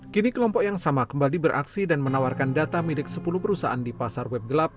kini kelompok yang sama kembali beraksi dan menawarkan data milik sepuluh perusahaan di pasar web gelap